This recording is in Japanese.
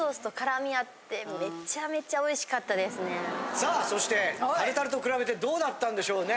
さあそしてタルタルと比べてどうだったんでしょうね？